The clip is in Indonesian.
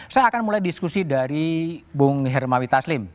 saya akan mulai diskusi dari bung hermawi taslim